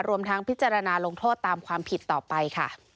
รวมทั้งพิจารณาลงโทษตามความผิดต่อไปค่ะ